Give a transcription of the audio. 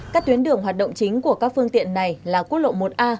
các tuyến đường hoạt động chính của các phương tiện này là quốc lộ một a